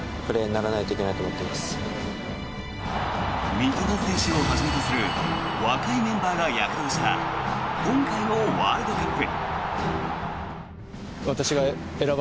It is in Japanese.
三笘選手をはじめとする若いメンバーが躍動した今回のワールドカップ。